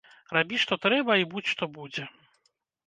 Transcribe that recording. Рабі што трэба, і будзь што будзе!